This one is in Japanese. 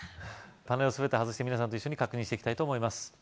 パネルをすべて外して皆さんと一緒に確認していきたいと思います